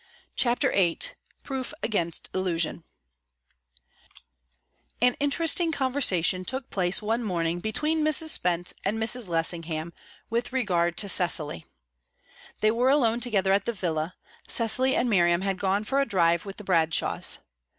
CHAPTER VIII PROOF AGAINST ILLUSION An interesting conversation took place one morning between Mrs. Spence and Mrs. Lessingham with regard to Cecily. They were alone together at the villa; Cecily and Miriam had gone for a drive with the Bradshaws.